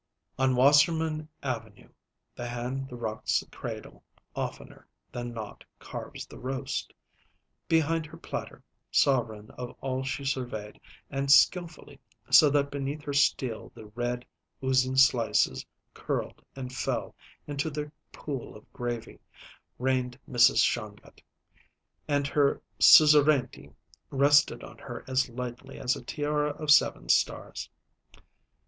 On Wasserman Avenue the hand that rocks the cradle oftener than not carves the roast. Behind her platter, sovereign of all she surveyed, and skilfully, so that beneath her steel the red, oozing slices curled and fell into their pool of gravy, reigned Mrs. Shongut. And her suzerainty rested on her as lightly as a tiara of seven stars.